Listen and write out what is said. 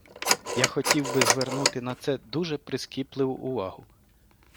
Я хотів би звернути на це дуже прискіпливу увагу.